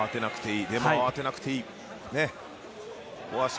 でも、慌てなくていい。